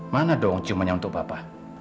mana dong ciumannya untuk papa